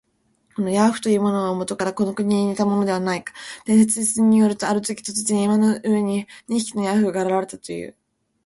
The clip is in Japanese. このヤーフというものは、もとからこの国にいたものではない。伝説によると、あるとき、突然、山の上に二匹のヤーフが現れたという。